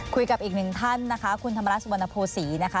คุยกับอีกหนึ่งท่านนะคะคุณธรรมนัสสุวรรณโภษีนะคะ